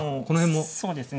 もうそうですね